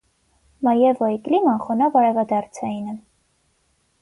Մաևոյի կլիման խոնավ արևադարձային է։